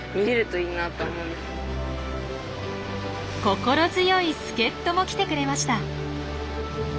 心強い助っ人も来てくれました。